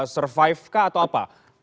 survive kah atau apa